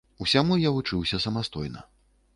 Усяму я вучыўся самастойна.